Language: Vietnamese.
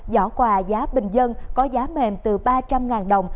giỏ quà giá bình dân có giá mềm từ ba trăm linh đồng